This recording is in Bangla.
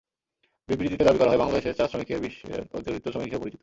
বিবৃতিতে দাবি করা হয়, বাংলাদেশের চা-শ্রমিকেরা বিশ্বের অতিদরিদ্র শ্রমিক হিসেবে পরিচিত।